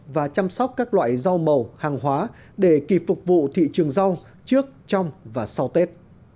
và chăm sóc các loại rau màu hàng hóa để kịp phục vụ thị trường rau trước trong và sau tết